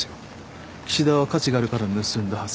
岸田は価値があるから盗んだはず。